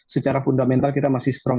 secara fundamental kita masih strong